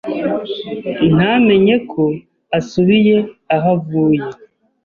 ntamenye ko asubiye aho avuye